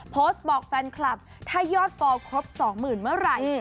โพสต์บอกแฟนคลับถ้ายอดฟอลครบ๒๐๐๐เมื่อไหร่